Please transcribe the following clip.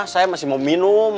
saya masih mau minum